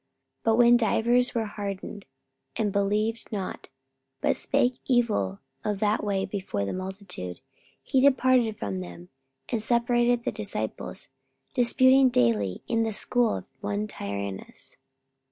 44:019:009 But when divers were hardened, and believed not, but spake evil of that way before the multitude, he departed from them, and separated the disciples, disputing daily in the school of one Tyrannus.